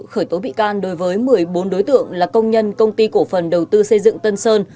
khởi tố bị can đối với một mươi bốn đối tượng là công nhân công ty cổ phần đầu tư xây dựng tân sơn